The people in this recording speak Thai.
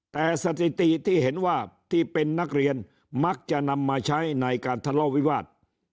แต่สถิติที่เห็นว่าที่เป็นนักเรียนมักจะนำมาใช้ในการทะเลาะวิวาส